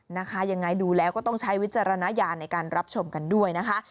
นะคะยังไงดูแล้วก็ต้องใช้วิจารณญาณในการรับชมกันด้วยนะคะ